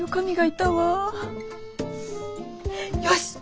よし！